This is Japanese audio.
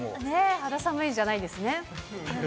肌寒いんじゃないんですね。